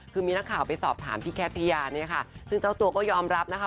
คือมีนักข่าวไปสอบถามพี่แคทยาเนี่ยค่ะซึ่งเจ้าตัวก็ยอมรับนะคะ